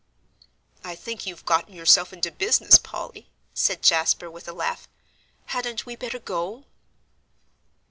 "I think you've gotten yourself into business, Polly," said Jasper, with a laugh. "Hadn't we better go?"